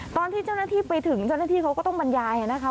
ตอนที่เจ้าหน้าที่ไปถึงเจ้าหน้าที่เขาก็ต้องบรรยายนะคะ